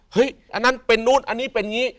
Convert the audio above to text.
เฮ้ยอันนั้นเป็นนู้นอันนี้เป็นงี้